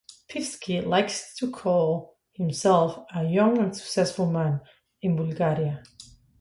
Peevski likes to call himself "a young and successful man" in Bulgaria.